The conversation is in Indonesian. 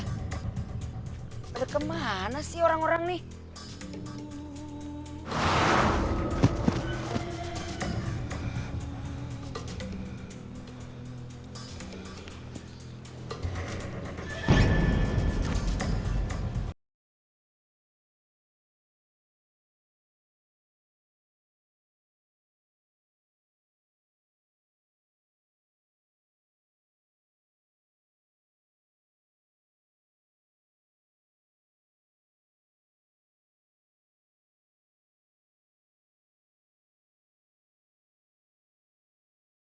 ada kemana sih orang orang nih